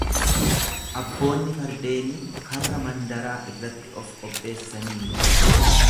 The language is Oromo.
Abboonni fardeenii karra mandaraa irratti of qopheessaniiru.